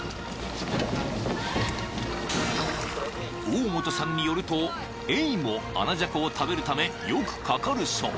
［大元さんによるとエイもアナジャコを食べるためよくかかるそう］